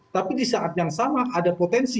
tapi di saat yang sama ada potensi